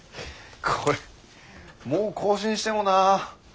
これもう更新してもなあ。